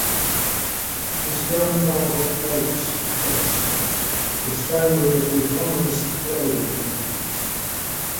His grandfather Oates Bairstow, was founder of the eponymous clothing firm.